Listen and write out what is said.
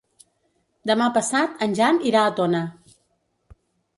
Demà passat en Jan irà a Tona.